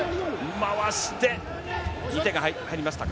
回して、手が入りましたか？